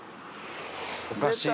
おかしいな。